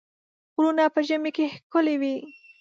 غرونه په ژمي کې ښکلي وي.